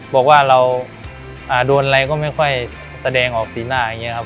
บอกว่าเราโดนอะไรก็ไม่ค่อยแสดงออกสีหน้าอย่างนี้ครับ